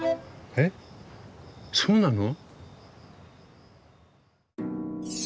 えっそうなの？